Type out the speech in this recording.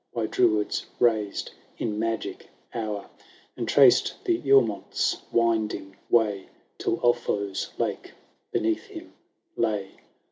By Druids raised in magic hour,* And traced the EamonVs winding way, TUl Ulfo*s lake> beneath him lay.